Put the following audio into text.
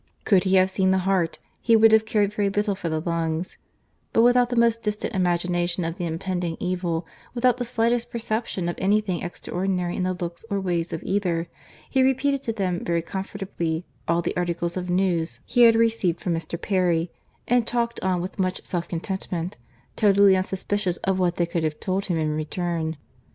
—Could he have seen the heart, he would have cared very little for the lungs; but without the most distant imagination of the impending evil, without the slightest perception of any thing extraordinary in the looks or ways of either, he repeated to them very comfortably all the articles of news he had received from Mr. Perry, and talked on with much self contentment, totally unsuspicious of what they could have told him in return.